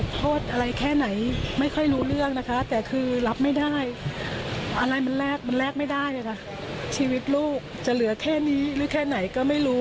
โทษอะไรแค่ไหนไม่ค่อยรู้เรื่องนะคะแต่คือรับไม่ได้อะไรมันแลกมันแลกไม่ได้ค่ะชีวิตลูกจะเหลือแค่นี้หรือแค่ไหนก็ไม่รู้